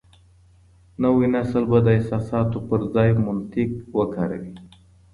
نوی نسل به د احساساتو پر ځای منطق وکاروي.